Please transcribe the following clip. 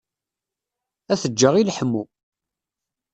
Ad t-ǧǧeɣ i leḥmu.